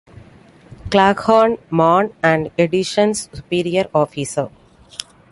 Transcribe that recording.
Claghorn, Mann and Edison's superior officer.